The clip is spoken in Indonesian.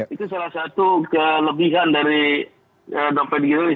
itu salah satu kelebihan dari dompet digital